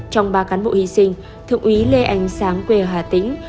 trong ba cán bộ hy sinh thượng úy lê ánh sáng quê ở hà tĩnh